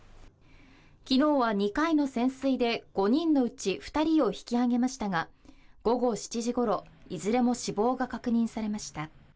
昨日は２回の潜水で５人のうち２人を引き揚げましたが午後７時ごろ、いずれも死亡が確認されました。